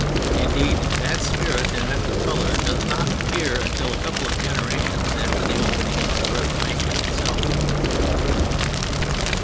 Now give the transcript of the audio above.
Indeed that spirit and mental color does not appear until a couple of generations after the opening of the Reformation itself.